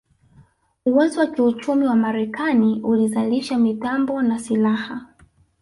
Uwezo wa kiuchumi wa Marekani ulizalisha mitambo na silaha